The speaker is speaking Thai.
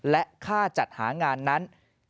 และค่าจัดหางานนั้น